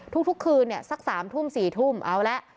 ทุกคืนสัก๓ทุ่ม๔ทุ่มเอาละ